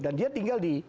dan dia tinggal di